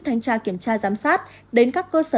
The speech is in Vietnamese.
thanh tra kiểm tra giám sát đến các cơ sở